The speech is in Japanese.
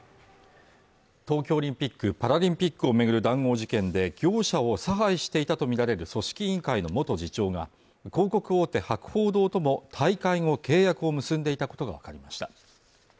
東京オリンピックパラリンピックを巡る談合事件で業者を差配していたと見られる組織委員会の元次長が広告大手博報堂とも大会後契約を結んでいたことが分かりました